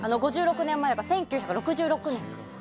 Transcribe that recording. ５６年前が１９６６年